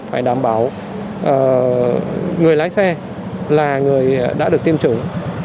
phải đảm bảo người lái xe là người đã được tiêm chủng